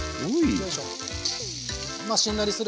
よいしょ。